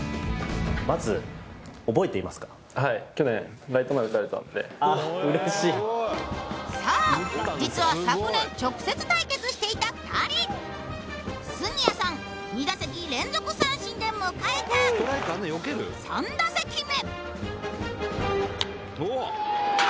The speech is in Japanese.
まずはいあっ嬉しいそう実は昨年直接対決していた２人杉谷さん２打席連続三振で迎えた３打席目